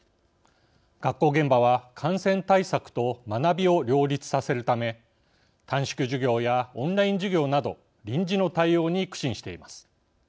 学校現場は感染対策と学びを両立させるため短縮授業やオンライン授業など臨時の対応に苦心しています。